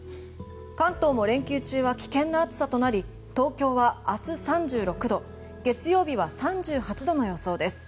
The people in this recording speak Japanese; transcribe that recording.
関東も連休中は危険な暑さとなり東京は明日３６度月曜日は３８度の予想です。